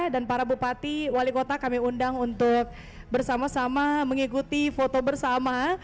dan para bupati wali kota kami undang untuk bersama sama mengikuti foto bersama